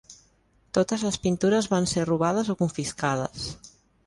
Totes les pintures van ser robades o confiscades.